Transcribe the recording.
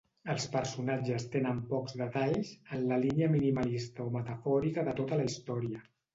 Els personatges tenen pocs detalls, en la línia minimalista o metafòrica de tota la història.